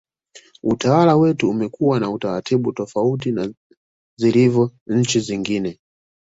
utawala wetu umekuwa na utaratibu tofauti na zilivyo nchi zingine